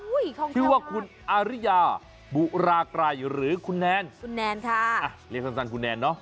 ชื่อว่าคุณอาริยาบุราไกรหรือคุณแนนคุณแนนค่ะอ่ะเรียกสั้นคุณแนนเนอะ